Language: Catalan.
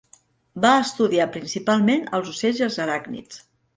Va estudiar principalment els ocells i els aràcnids.